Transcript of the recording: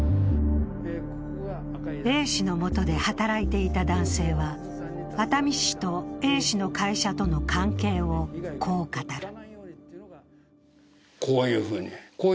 Ａ氏のもとで働いていた男性は、熱海市とＡ氏の会社との関係をこう語る。